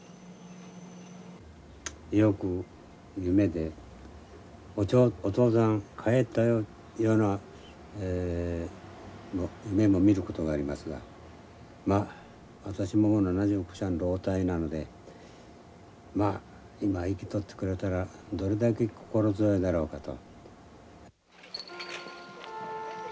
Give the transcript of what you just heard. よく夢で「お父さん帰ったよ」いうような夢も見ることがありますがまあ私も７０老体なので今生きとってくれたらどれだけ心強いだろうかと。